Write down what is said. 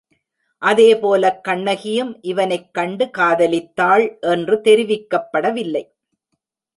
அதேபோலக் கண்ணகியும் இவனைக் கண்டு காதலித்தாள் என்று தெரிவிக்கப்படவில்லை.